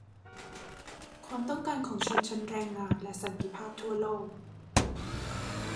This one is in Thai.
ความต้องการของชนชั้นแรงงาน และสันติภาพทั่วโลก